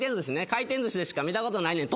回転寿司でしか見たことないねん。